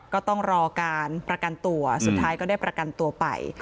ก็ต้องรอการประกันตัวสุดท้ายก็ได้ประกันตัวไป